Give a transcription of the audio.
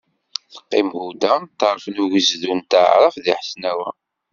Teqqim Huda ṭṭerf n ugezdu n taɛrabt deg Ḥesnawa.